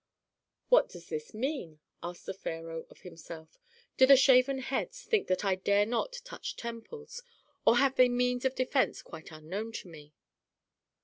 "What does this mean?" asked the pharaoh of himself. "Do the shaven heads think that I dare not touch temples, or have they means of defence quite unknown to me?"